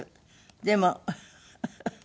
でも」。